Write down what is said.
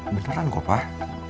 beneran kok pak